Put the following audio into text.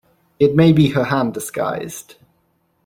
It may be her hand disguised.